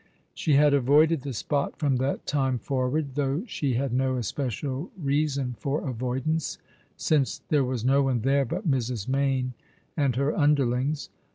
She had avoided the spot from that time forward, though she had no especial reason for avoidance, since there was no one there but Mrs. IMayne and her underlings.